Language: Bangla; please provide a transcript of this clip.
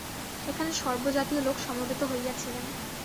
এখানে সর্বজাতীয় লোক সমবেত হইয়াছিলেন।